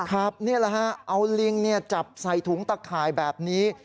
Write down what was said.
นี่แหละฮะเอาลิงจับใส่ถุงตะข่ายแบบนี้